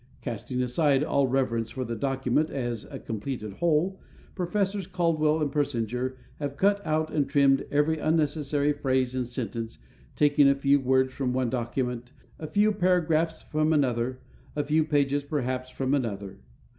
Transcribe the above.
Casting aside all reverence for the document as a completed whole, Professors Caldwell and Persinger have cut and trimmed out every unnecessary phrase and sentence, taking a few words from one document, a few paragraphs from another, a few pages, perhaps, from another.